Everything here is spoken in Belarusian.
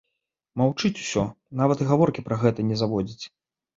Маўчыць усё, нават і гаворкі пра гэта не заводзіць.